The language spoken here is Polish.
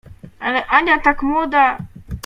Ale Ania tak młoda…